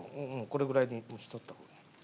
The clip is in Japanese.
これぐらいでしとった方がいい。